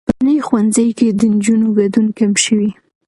په منځني ښوونځي کې د نجونو ګډون کم شوی.